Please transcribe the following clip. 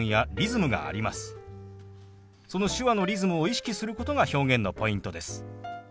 その手話のリズムを意識することが表現のポイントです。